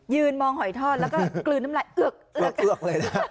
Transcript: ยืนมองหอยทอดแล้วก็กลืนน้ำลายเอือกเลยนะฮะ